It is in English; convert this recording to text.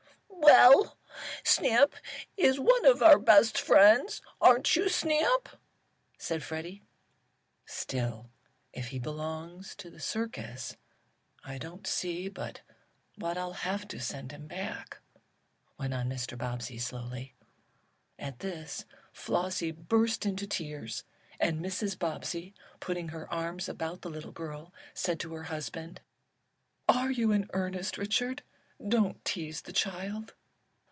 "Well, Snap is one of our best friends, aren't you Snap?" said Freddie. "Still, if he belongs to the circus I don't see but what I'll have to send him back," went on Mr. Bobbsey, slowly. At this Flossie burst into tears, and Mrs. Bobbsey, putting her arms about the little girl, said to her husband: "Are you in earnest Richard? Don't tease the child."